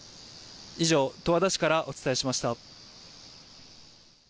以上、十和田市からお伝えしました。